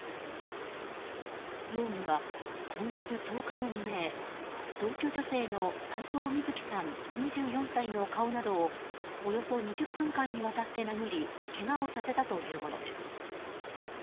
容疑は今月１０日の未明同居女性の齋藤瑞希さん、２４歳の顔などをおよそ２０分間にわたって殴りけがをさせたというものです。